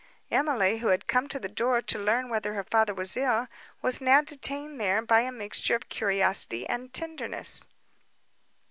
Emily, who had come to the door to learn whether her father was ill, was now detained there by a mixture of curiosity and tenderness.